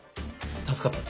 助かった。